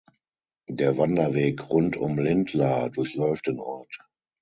Der Wanderweg "Rund um Lindlar" durchläuft den Ort.